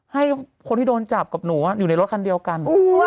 ให้คนที่โดนจับกับหนูอยู่ในรถคันเดียวกัน